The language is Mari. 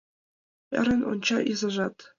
Ӧрын онча изажат...